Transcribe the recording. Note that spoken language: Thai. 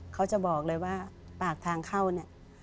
เขาจะบอกเลยว่าปากทางเข้าเนี่ย